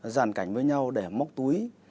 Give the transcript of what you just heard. giản cảnh với nhau để móc túi